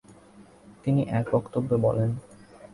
তিনি এক বক্তব্যে বলেন